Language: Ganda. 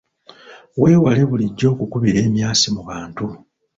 Weewale bulijjo okukubira emyasi mu bantu.